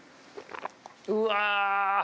うわ。